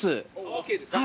・ＯＫですか？